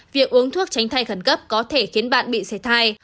việc uống thuốc tránh thai khẩn cấp có thể khiến bạn bị xảy thai